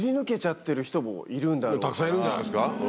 たくさんいるんじゃないですか。